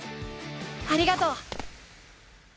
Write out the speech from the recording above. ありがとう！